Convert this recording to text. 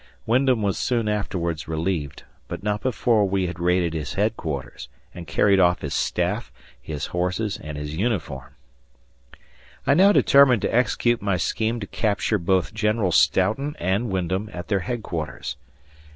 Wyndham was soon afterwards relieved, but not before we had raided his headquarters and carried off his staff, his horses, and his uniform. I now determined to execute my scheme to capture both General Stoughton and Wyndham at their headquarters.